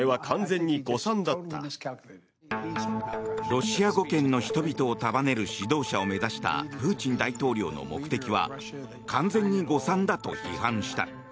ロシア語圏の人々を束ねる指導者を目指したプーチン大統領の目的は完全に誤算だと批判した。